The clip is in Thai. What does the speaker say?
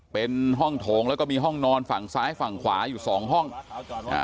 เป็นห้องโถงแล้วก็มีห้องนอนฝั่งซ้ายฝั่งขวาอยู่สองห้องอ่า